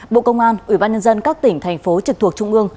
bộ công an ubnd các tỉnh thành phố trực thuộc trung ương